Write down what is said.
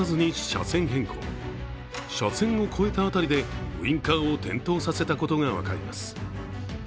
車線を越えたあたりでウインカーを点灯させたことが分かります。